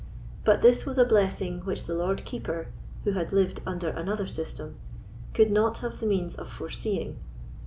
But this was a blessing which the Lord Keeper, who had lived under another system, could not have the means of foreseeing.